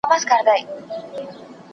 ¬ کار چي په سلا سي، بې بلا سي.